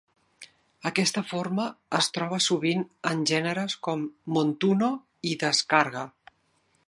Aquesta forma es troba sovint en gèneres com "montuno" i "descarga".